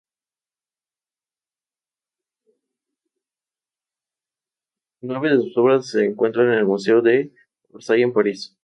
Nueve de sus obras se encuentran en el Museo de Orsay en París.